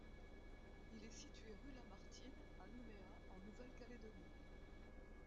Il est situé rue Lamartine, à Nouméa, en Nouvelle-Calédonie.